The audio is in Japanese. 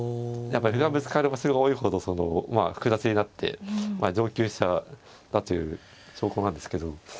やっぱ歩がぶつかる場所が多いほど複雑になって上級者だという証拠なんですけど。